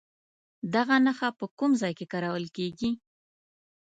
دغه نښه په کوم ځای کې کارول کیږي؟